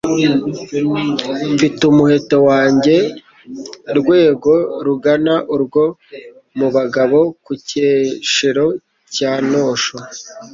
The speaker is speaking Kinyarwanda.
mfite umuheto wanjye Rwego rugana urwo mu bagabo ku Cyeshero cya Ntosho,